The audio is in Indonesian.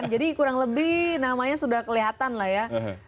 kurang lebih namanya sudah kelihatan lah ya